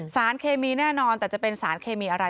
สารเคมีแน่นอนแต่จะเป็นสารเคมีอะไร